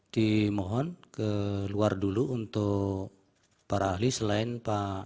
dimohon ke luar dulu untuk para ahli selain pak